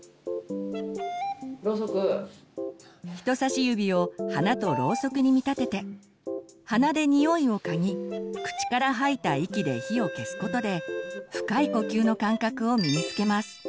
人さし指を花とろうそくに見立てて鼻で匂いをかぎ口から吐いた息で火を消すことで深い呼吸の感覚を身につけます。